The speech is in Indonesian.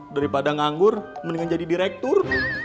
daripada nganggur mendingan jadi direktur